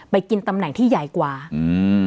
กินตำแหน่งที่ใหญ่กว่าอืม